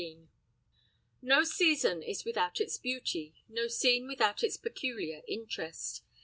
No season is without its beauty, no scene without its peculiar interest.